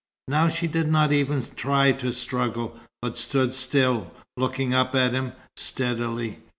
Now she did not even try to struggle, but stood still, looking up at him steadily.